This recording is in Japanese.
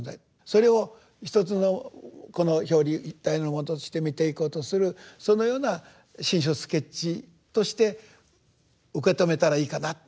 それをひとつの表裏一体のものとして見ていこうとするそのような「心象スケッチ」として受け止めたらいいかなと。